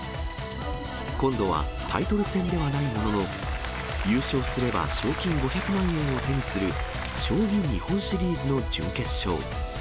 今度はタイトル戦ではないものの、優勝すれば賞金５００万円を手にする、将棋日本シリーズの準決勝。